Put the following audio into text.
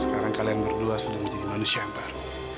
sekarang kalian berdua sudah menjadi manusia antar